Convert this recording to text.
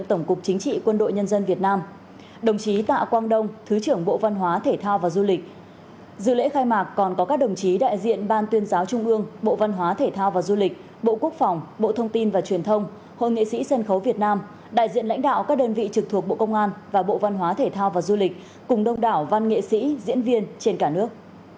trị quân đội nhân dân việt nam đồng chí tạ quang đông thứ trưởng bộ văn hóa thể thao và du lịch dự lễ khai mạc còn có các đồng chí đại diện ban tuyên giáo trung ương bộ văn hóa thể thao và du lịch bộ quốc phòng bộ thông tin và truyền thông hội nghệ sĩ sân khấu việt nam đại diện lãnh đạo các đơn vị trực thuộc bộ công an và bộ văn hóa thể thao và du lịch cùng đông đảo văn nghệ sĩ diễn viên trên cả nước